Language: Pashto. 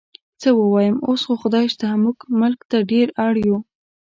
څه ووایم، اوس خو خدای شته موږ ملک ته ډېر اړ یو.